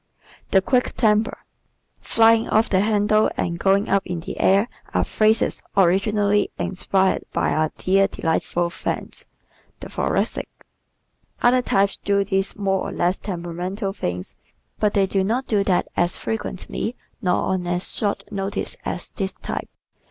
The Quick Temper ¶ "Flying off the handle," and "going up in the air" are phrases originally inspired by our dear, delightful friends, the Thoracics. Other types do these more or less temperamental things but they do not do them as frequently nor on as short notice as this type.